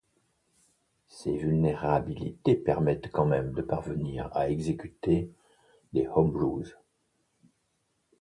Ces vulnérabilités permettaient quand même de parvenir à exécuter des homebrews.